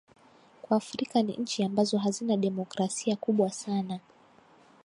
kwa afrika ni nchi ambazo hazina demokrasia kubwa sana